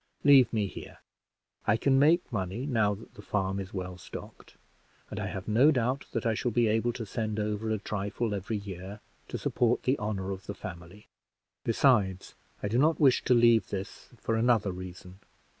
Leave me here. I can make money now that the farm is well stocked; and I have no doubt that I shall be able to send over a trifle every year, to support the honor of the family. Besides, I do not wish to leave this for another reason.